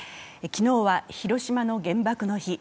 昨日は広島の原爆の日。